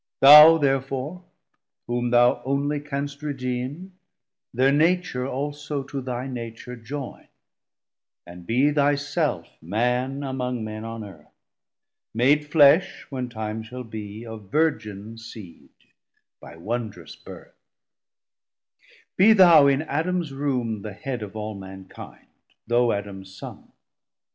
280 Thou therefore whom thou only canst redeeme, Thir Nature also to thy Nature joyne; And be thy self Man among men on Earth, Made flesh, when time shall be, of Virgin seed, By wondrous birth: Be thou in Adams room The Head of all mankind, though Adams Son.